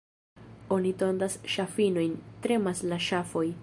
Oni tondas ŝafinojn, tremas la ŝafoj.